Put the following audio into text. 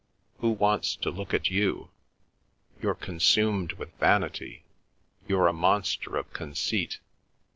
"Who wants to look at you? You're consumed with vanity! You're a monster of conceit!